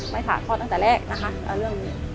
สาคลอดตั้งแต่แรกนะคะเรื่องนี้